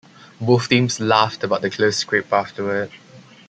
Both teams laughed about the close scrape afterward.